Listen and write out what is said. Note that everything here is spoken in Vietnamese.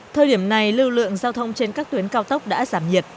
thời điểm này lưu lượng giao thông trên các tuyến cao tốc đã giảm nhiệt